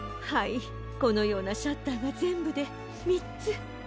はいこのようなシャッターがぜんぶでみっつ。